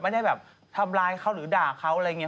ไม่ได้แบบทำร้ายเขาหรือด่าเขาอะไรอย่างนี้